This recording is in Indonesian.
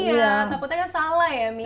iya takutnya kan salah ya mie